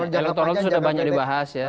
ya elektoral itu sudah banyak dibahas ya